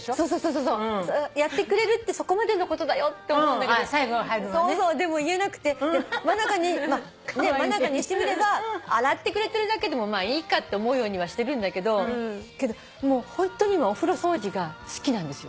そうそうやってくれるってそこまでのことだよって思うんだけどでも言えなくて真香にしてみれば洗ってくれてるだけでもまあいいかって思うようにはしてるんだけどホントにお風呂掃除が好きなんですよ